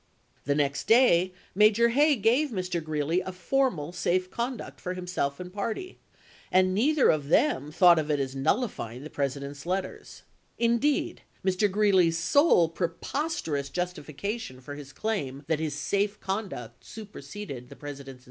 The next day Major Hay gave Mr. Greeley a formal safe conduct for himself and party, and neither of them thought of it as nullifying the President's letters. Indeed, Mr. Greeley's sole preposterous justification for his claim HOKACE GKEELEY'S PEACE MISSION 199 that his safe conduct superseded the President's chap.